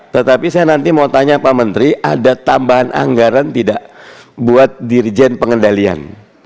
tetapi saya nanti mau tanya pak menteri ada tambahan anggaran tidak buat dirjen pengendalian